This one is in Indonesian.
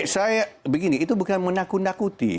saya begini itu bukan menakut nakuti